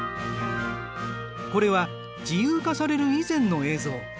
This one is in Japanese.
これは自由化される以前の映像。